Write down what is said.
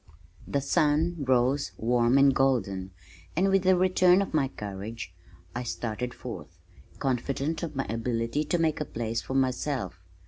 The sun rose warm and golden, and with a return of my courage I started forth, confident of my ability to make a place for myself.